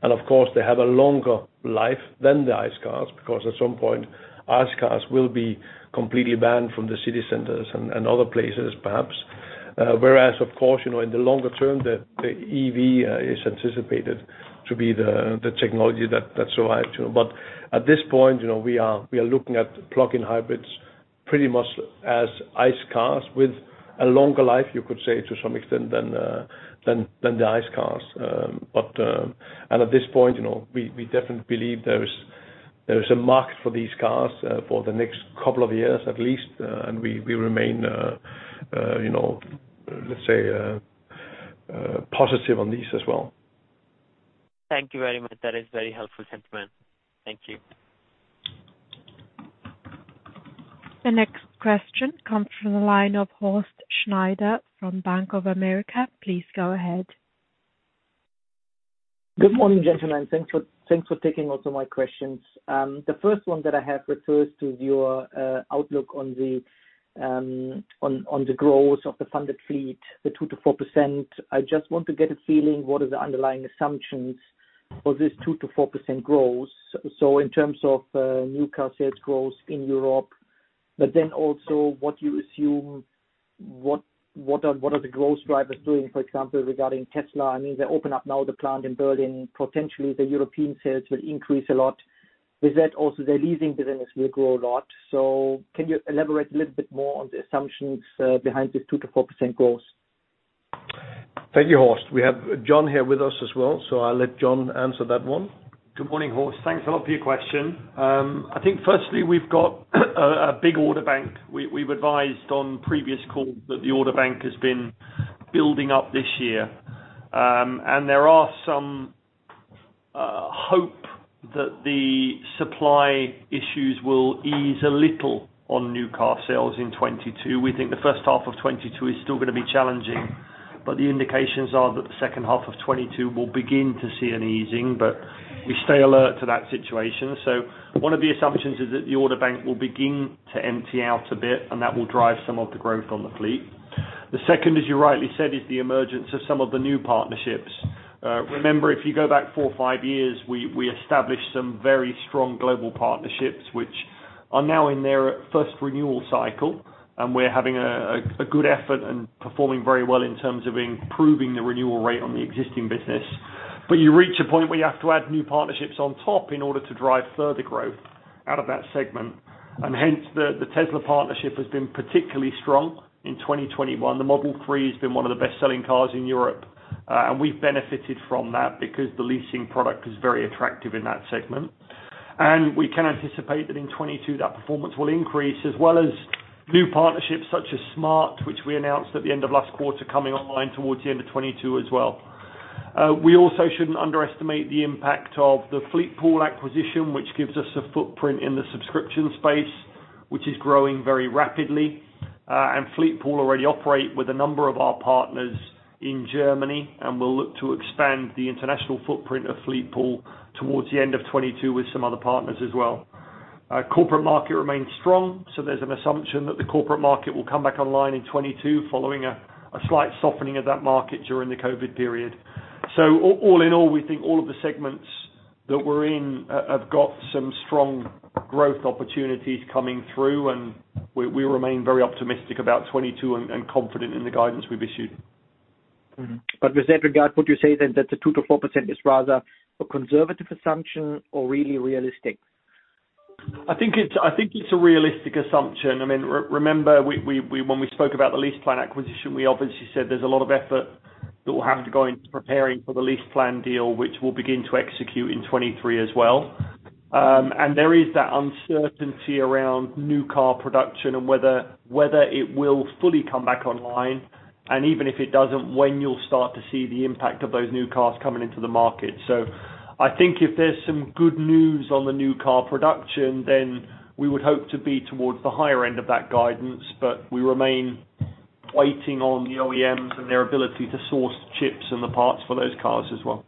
Of course, they have a longer life than the ICE cars because at some point, ICE cars will be completely banned from the city centers and other places perhaps. Whereas of course, you know, in the longer term, the EV is anticipated to be the technology that survive too. But at this point, you know, we are looking at plug-in hybrids pretty much as ICE cars with a longer life, you could say to some extent than the ICE cars. At this point, you know, we definitely believe there is a market for these cars for the next couple of years at least. We remain, you know, let's say, positive on these as well. Thank you very much. That is very helpful, gentlemen. Thank you. The next question comes from the line of Horst Schneider from Bank of America. Please go ahead. Good morning, gentlemen. Thanks for taking also my questions. The first one that I have refers to your outlook on the growth of the funded fleet, the 2%-4%. I just want to get a feeling, what is the underlying assumptions for this 2%-4% growth, so in terms of new car sales growth in Europe, but then also what you assume, what are the growth drivers doing, for example, regarding Tesla. I mean, they open up now the plant in Berlin, potentially the European sales will increase a lot. With that also their leasing business will grow a lot. Can you elaborate a little bit more on the assumptions behind this 2%-4% growth? Thank you, Horst. We have John here with us as well, so I'll let John answer that one. Good morning, Horst. Thanks a lot for your question. I think firstly, we've got a big order bank. We've advised on previous calls that the order bank has been building up this year. There are some hope that the supply issues will ease a little on new car sales in 2022. We think the first half of 2022 is still gonna be challenging, but the indications are that the second half of 2022 will begin to see an easing, but we stay alert to that situation. One of the assumptions is that the order bank will begin to empty out a bit, and that will drive some of the growth on the fleet. The second, as you rightly said, is the emergence of some of the new partnerships. Remember if you go back four or five years, we established some very strong global partnerships, which are now in their first renewal cycle, and we're having a good effort and performing very well in terms of improving the renewal rate on the existing business. You reach a point where you have to add new partnerships on top in order to drive further growth out of that segment. Hence the Tesla partnership has been particularly strong in 2021. The Model 3 has been one of the best-selling cars in Europe, and we've benefited from that because the leasing product is very attractive in that segment. We can anticipate that in 2022 that performance will increase as well as new partnerships such as smart, which we announced at the end of last quarter coming online towards the end of 2022 as well. We also shouldn't underestimate the impact of the Fleetpool acquisition, which gives us a footprint in the subscription space, which is growing very rapidly. Fleetpool already operate with a number of our partners in Germany, and we'll look to expand the international footprint of Fleetpool towards the end of 2022 with some other partners as well. Our corporate market remains strong, so there's an assumption that the corporate market will come back online in 2022 following a slight softening of that market during the COVID period. All in all, we think all of the segments that we're in have got some strong growth opportunities coming through, and we remain very optimistic about 2022 and confident in the guidance we've issued. In that regard, would you say then that the 2%-4% is rather a conservative assumption or really realistic? I think it's a realistic assumption. I mean, remember we when we spoke about the LeasePlan acquisition, we obviously said there's a lot of effort that will have to go into preparing for the LeasePlan deal, which we'll begin to execute in 2023 as well. There is that uncertainty around new car production and whether it will fully come back online, and even if it doesn't, when you'll start to see the impact of those new cars coming into the market. I think if there's some good news on the new car production, then we would hope to be towards the higher end of that guidance. We remain waiting on the OEMs and their ability to source chips and the parts for those cars as well.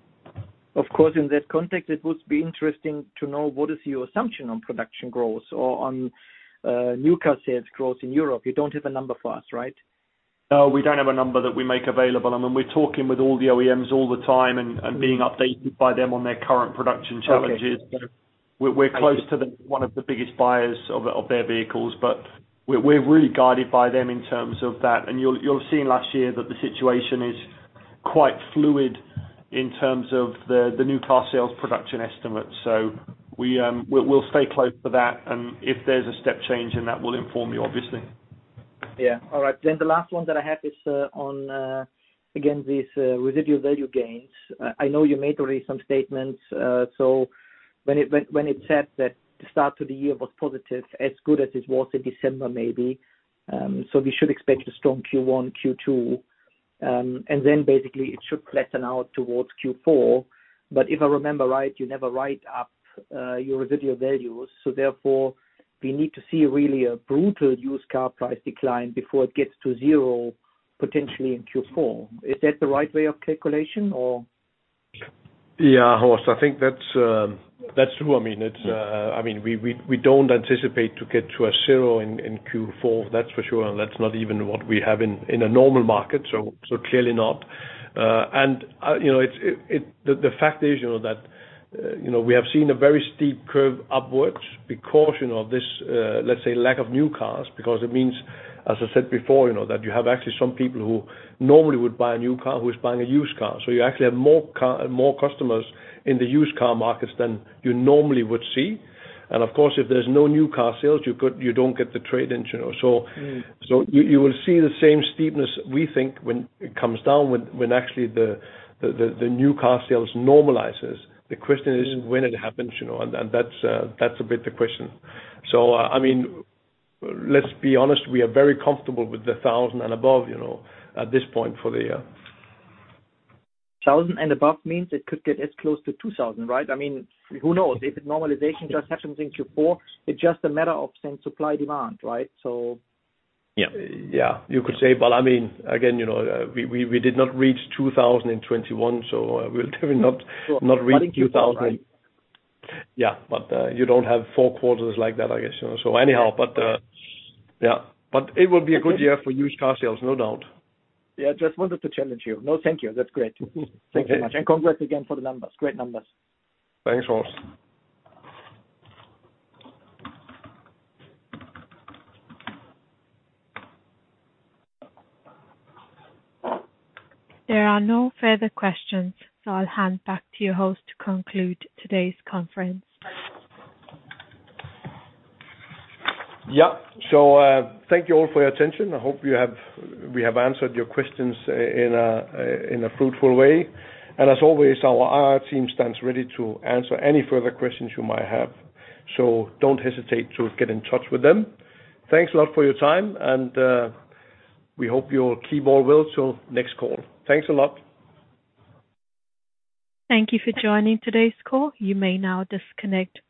Of course, in that context, it would be interesting to know what is your assumption on production growth or on new car sales growth in Europe. You don't have a number for us, right? No, we don't have a number that we make available. I mean, we're talking with all the OEMs all the time and being updated by them on their current production challenges. Okay. We're close to one of the biggest buyers of their vehicles, but we're really guided by them in terms of that. You'll have seen last year that the situation is quite fluid in terms of the new car sales production estimates. We'll stay close for that, and if there's a step change in that we'll inform you obviously. Yeah. All right. The last one that I have is on again this residual value gains. I know you made already some statements, so when it's said that the start to the year was positive, as good as it was in December, maybe. We should expect a strong Q1, Q2, and then basically it should flatten out towards Q4. If I remember right, you never write up your residual values, so therefore we need to see really a brutal used car price decline before it gets to zero potentially in Q4. Is that the right way of calculation or? Yeah, Horst, I think that's true. I mean, it's true. I mean, we don't anticipate to get to a zero in Q4, that's for sure. That's not even what we have in a normal market, so clearly not. You know, it's. The fact is, you know, that you know we have seen a very steep curve upwards because you know of this let's say lack of new cars. Because it means, as I said before, you know, that you have actually some people who normally would buy a new car, who is buying a used car. You actually have more customers in the used car markets than you normally would see. Of course, if there's no new car sales, you don't get the trade-ins, you know. So Mm. You will see the same steepness, we think, when it comes down, when actually the new car sales normalizes. The question is when it happens, you know, and that's a bit the question. I mean, let's be honest, we are very comfortable with 1,000 and above, you know, at this point for the... 1,000 and above means it could get as close to 2,000, right? I mean, who knows if the normalization does happen in Q4, it's just a matter of saying supply, demand, right? So. Yeah. Yeah. You could say, but I mean, again, you know, we did not reach 2000 in 2021, so we'll definitely not reach 2000- In Q4, right? Yeah. You don't have four quarters like that, I guess, you know. Anyhow, but yeah. It will be a good year for used car sales, no doubt. Yeah, just wanted to challenge you. No, thank you. That's great. Okay. Thank you very much, and congrats again for the numbers. Great numbers. Thanks, Horst. There are no further questions, so I'll hand back to your host to conclude today's conference. Thank you all for your attention. I hope we have answered your questions in a fruitful way. As always, our IR team stands ready to answer any further questions you might have. Don't hesitate to get in touch with them. Thanks a lot for your time, and we hope you'll keep all well till next call. Thanks a lot. Thank you for joining today's call. You may now disconnect.